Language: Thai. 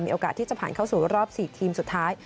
โอกาสที่จะผ่านเข้าสู่รอบ๔ทีมสุดท้าย